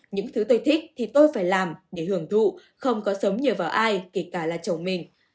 những thứ tôi thích thì tôi phải làm để hưởng thụ không có sống nhờ vào ai kể cả là chồng mình